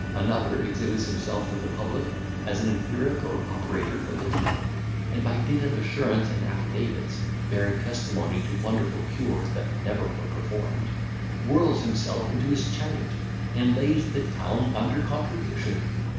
Another exhibits himself to the public, as an empiric or operator for the teeth; and by dint of assurance and affidavits, bearing testimony to wonderful cures that never were performed, whirls himself into his chariot, and lays the town under contribution.